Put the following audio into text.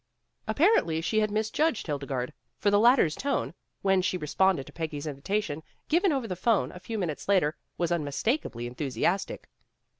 Apparently she had misjudged Hildegarde. For the latter 's tone, when she responded to Peggy's invitation given over the phone a few minutes later, was unmistakably enthu siastic.